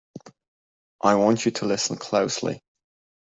I want you to listen closely!